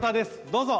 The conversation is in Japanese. どうぞ！